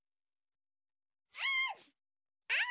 あ！